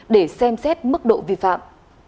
để xem xét mức độ vi phạm